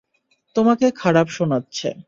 তোমাকে খারাপ শোনাচ্ছে।